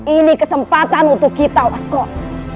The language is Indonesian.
ini kesempatan untuk kita oskop